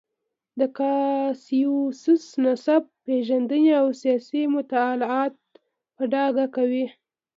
د کاسیوس نسب پېژندنې او سیاسي مطالعات په ډاګه کوي.